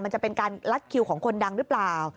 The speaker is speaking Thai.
จะเป็นการลัดคิวของคนดังหรือเปล่า